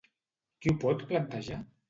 Qui ho pot plantejar?